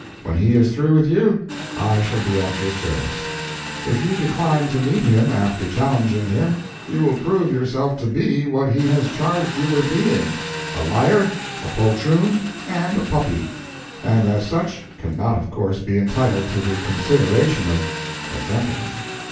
When he is through with you, I shall be at your service. If you decline to meet him after challenging him, you will prove yourself to be what he has charged you with being: "a liar, a poltroon and a puppy," and as such, can not of course be entitled to the consideration of a gentleman.